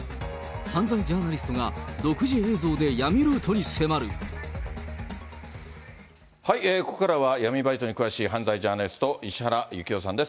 犯罪ジャーナリストが独自映像でここからは、闇バイトに詳しい犯罪ジャーナリスト、石原行雄さんです。